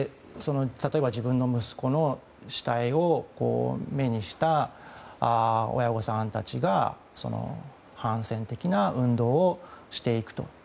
例えば自分の息子の死体を目にした親御さんたちが反戦的な運動をしていくと。